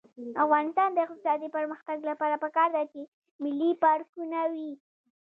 د افغانستان د اقتصادي پرمختګ لپاره پکار ده چې ملي پارکونه وي.